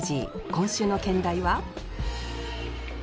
今週の兼題は？